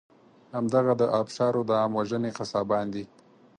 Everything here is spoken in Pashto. همدغه د آبشارو د عام وژنې قصابان دي.